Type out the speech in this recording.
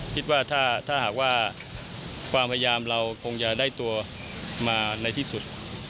คิดว่าถ้าหากว่าความพยายามเราคงจะได้ตัวมาในที่สุด